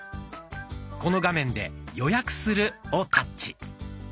この画面で「予約する」をタッチ。